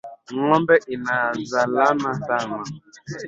Ngombe ina zalana Saną